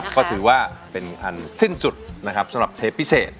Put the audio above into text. ก็ถือว่าเป็นอันสิ้นสุดนะครับสำหรับเทปพิเศษ